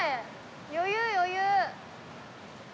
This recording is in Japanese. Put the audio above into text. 余裕余裕。